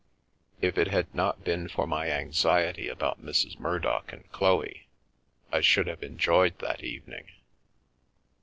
If it had not been for my anxiety about Mrs. Murdock and Chloe I should have enjoyed that evening.